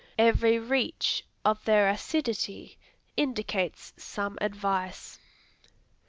Every reach of their ascidity indicates some advice.